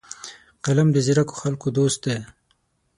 قلم د ځیرکو خلکو دوست دی